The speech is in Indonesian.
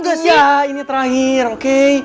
bagus ya ini terakhir oke